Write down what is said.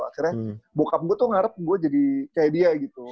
akhirnya bokap gue tuh ngarep gue jadi kayak dia gitu